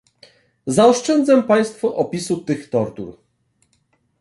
Zaoszczędzę Państwu opisu tych tortur